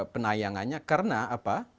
penayangannya karena apa